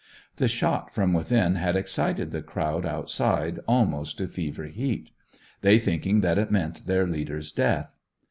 The shot from within had excited the crowd outside almost to fever heat; they thinking that it meant their leaders' death.